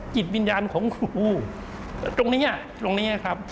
กิจวิญญาณของครูตรงนี้ครับ